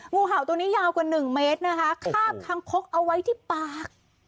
งูเห่าตัวนี้ยาวกว่าหนึ่งเมตรนะคะคาบคังคกเอาไว้ที่ปาก